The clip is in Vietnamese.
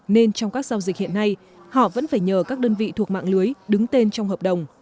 nên trong các giao dịch hiện nay họ vẫn phải nhờ các đơn vị thuộc mạng lưới đứng tên trong hợp đồng